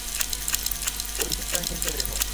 ওই ঝোপটার নিচে দেখ।